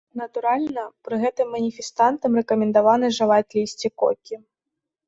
Натуральна, пры гэтым маніфестантам рэкамендавана жаваць лісце кокі.